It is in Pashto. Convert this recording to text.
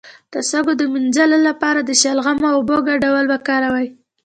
د سږو د مینځلو لپاره د شلغم او اوبو ګډول وکاروئ